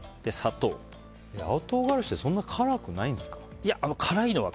青唐辛子ってそんなに辛くないんですか？